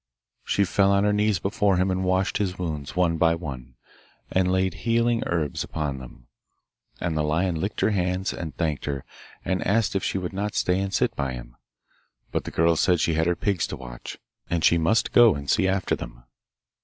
She fell on her knees before him and washed his wounds one by one, and laid healing herbs upon them. And the lion licked her hands and thanked her, and asked if she would not stay and sit by him. But the girl said she had her pigs to watch, and she must go and see after them.